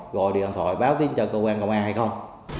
gọi điện thoại báo tin cho cơ quan công an hay không